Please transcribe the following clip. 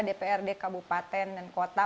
dprd kabupaten dan kota